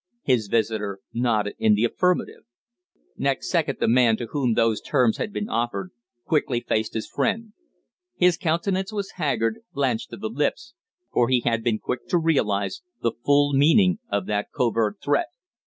His visitor nodded in the affirmative. Next second the man to whom those terms had been offered quickly faced his friend. His countenance was haggard, blanched to the lips, for he had been quick to realize the full meaning of that covert threat.